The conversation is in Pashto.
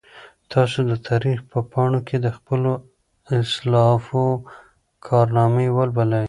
تاسو د تاریخ په پاڼو کې د خپلو اسلافو کارنامې ولولئ.